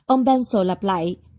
ông pencil lặp lại